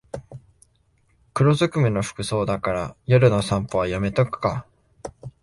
黒ずくめの服装だから夜の散歩はやめとくか